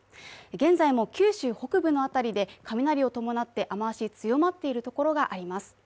現在も九州北部の辺りで雷を伴って雨足、強まっているところがあります。